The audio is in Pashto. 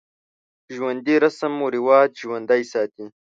ژوندي رسم و رواج ژوندی ساتي